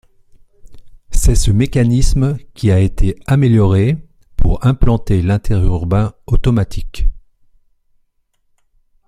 C'est ce mécanisme qui a été amélioré pour implanter l'interurbain automatique.